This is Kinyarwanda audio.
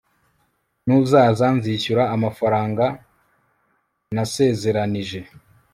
Nuzaza nzishyura amafaranga nasezeranije